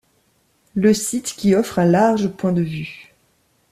Le site qui offre un large point de vue.